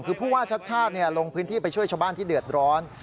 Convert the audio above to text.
คือผู้ว่าชัดชาติลงพื้นที่ไปช่วยชาวบ้านที่เดือดร้อน